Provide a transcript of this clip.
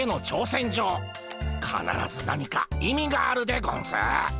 かならず何か意味があるでゴンス。